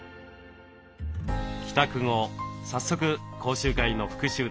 帰宅後早速講習会の復習です。